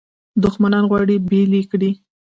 دښمنان غواړي بیل یې کړي.